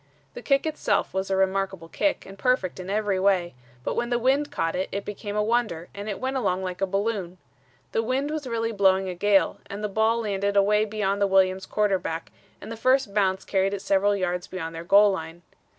The kick itself was a remarkable kick and perfect in every way, but when the wind caught it it became a wonder and it went along like a balloon. The wind was really blowing a gale and the ball landed away beyond the Williams' quarterback and the first bounce carried it several yards beyond their goal line.